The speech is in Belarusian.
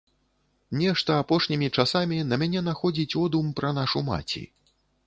Нешта апошнімі часамі на мяне находзіць одум пра нашу маці.